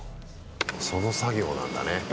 その作業なんだね。